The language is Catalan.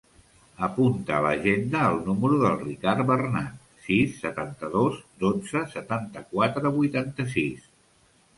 Apunta a l'agenda el número del Ricard Bernat: sis, setanta-dos, dotze, setanta-quatre, vuitanta-sis.